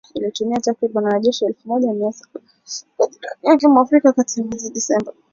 Nchi ya Uganda ilituma takribani wanajeshi elfu moja mia saba kwa jirani yake wa Afrika ya kati hapo mwezi Disemba.